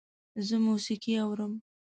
زه موسیقي اورم